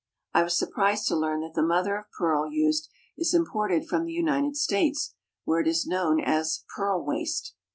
I was surprised to learn that the mother of pearl used is imported from the United States, where it is known as "pearl waste."